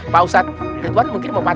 pak ustadz ketuan mungkin mau patut